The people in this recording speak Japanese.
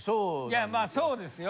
いやまあそうですよ。